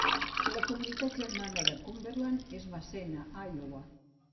La comunitat germana de Cumberland és Massena, Iowa.